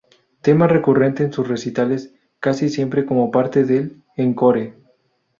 Tema recurrente en sus recitales, casi siempre como parte del "encore".